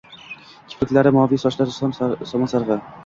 kipriklari moviy, sochlari somon sarig’i